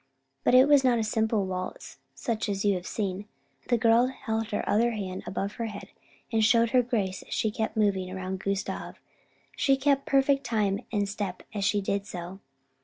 But it was not a simple waltz such as you have seen. The young girl held her other hand above her head and showed her grace as she kept moving around Gustav; she kept perfect time and step as she did so.